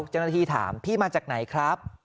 เจ้าหน้าที่ถามพี่มาจากไหนครับ